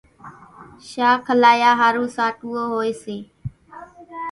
شاک هلايا ۿارُو ساٽُوئو هوئيَ سي۔